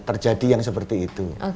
terjadi yang seperti itu